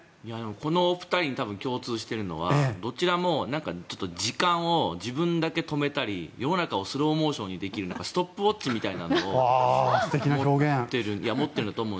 この２人に多分共通しているのはどちらも時間を自分だけ止めたり世の中をスローモーションにできるストップウォッチみたいなのを持っているんだと思う。